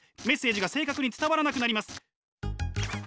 メッセージが正確に伝わらなくなります。